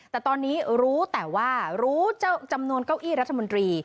แต่ตอนนี้รู้แต่ว่ารู้จำนวนเก้าอี้รัฐมนตรี